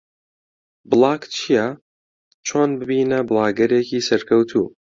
بڵاگ چییە؟ چۆن ببینە بڵاگەرێکی سەرکەوتوو؟